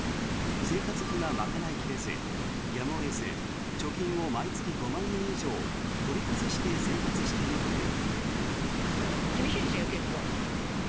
生活費が賄い切れず、やむを得ず貯金を毎月５万円以上取り崩して生活しているという。